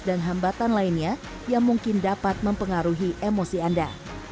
dan hambatan lainnya yang mungkin dapat mempengaruhi emosi anda